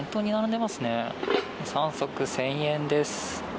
３足１０００円です。